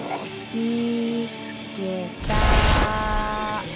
見つけた。